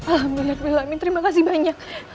alhamdulillah terima kasih banyak